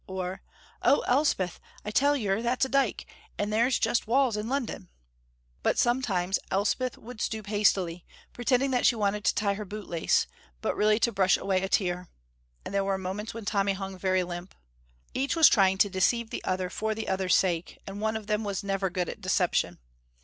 or "Oh, Elspeth, I tell yer that's a dyke, and there's just walls in London," but sometimes Elspeth would stoop hastily, pretending that she wanted to tie her bootlace, but really to brush away a tear, and there were moments when Tommy hung very limp. Each was trying to deceive the other for the other's sake, and one of them was never good at deception.